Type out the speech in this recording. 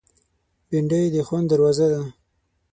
بېنډۍ د خوند دروازه ده